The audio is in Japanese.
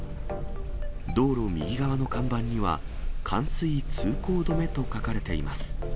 道路右側の看板には、冠水通行止めと書かれています。